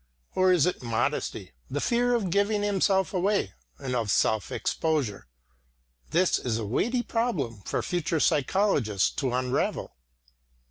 Or is it modesty, the fear of giving himself away, and of self exposure? This is a weighty problem for future psychologists to unravel.